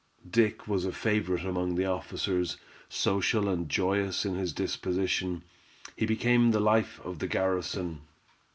Dick was a favorite among the officers, social and joyous in his disposition, he became the life of the garrison.